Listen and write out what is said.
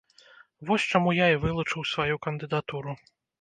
Вось чаму я і вылучыў сваю кандыдатуру.